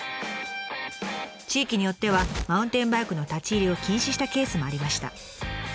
地域によってはマウンテンバイクの立ち入りを禁止したケースもありました。